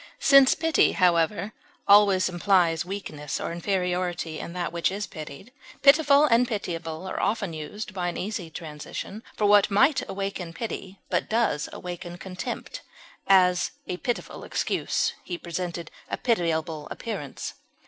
Since pity, however, always implies weakness or inferiority in that which is pitied, pitiful and pitiable are often used, by an easy transition, for what might awaken pity, but does awaken contempt; as, a pitiful excuse; he presented a pitiable appearance.